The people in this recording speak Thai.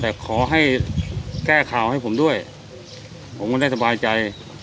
แต่ขอให้แก้ข่าวให้ผมด้วยผมก็ได้สบายใจ